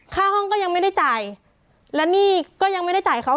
ห้องก็ยังไม่ได้จ่ายและหนี้ก็ยังไม่ได้จ่ายเขา